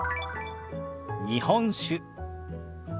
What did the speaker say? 「日本酒」。